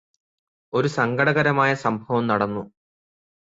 ഒരു സങ്കടകരമായ സംഭവം നടന്നു